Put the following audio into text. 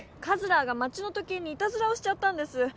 カズラーが町の時計にいたずらをしちゃったんです。